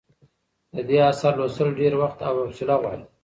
د دې اثر لوستل ډېر وخت او حوصله غواړي.